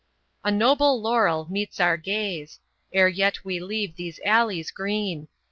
A noble LAUREL meets our gaze, Ere yet we leave these alleys green.